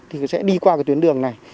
thì sẽ đi qua cái tuyến đường này